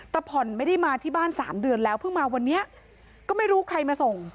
แต่ผ่อนไม่ได้มาที่บ้านสามเดือนแล้วเพิ่งมาวันนี้ก็ไม่รู้ใครมาส่ง